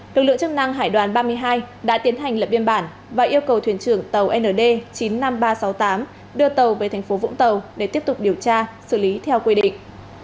lực lượng chức năng hải đoàn ba mươi hai đã tiến hành lập biên bản và yêu cầu thuyền trưởng tàu nd chín mươi năm nghìn ba trăm sáu mươi tám đưa tàu về thành phố vũng tàu để tiếp tục điều tra xử lý theo quy định